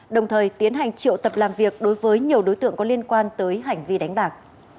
đồng thời tiến hành triệu tập làm việc đối với nhiều đối tượng có liên quan tới hành vi đánh bạc